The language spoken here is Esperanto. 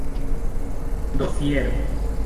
dosiero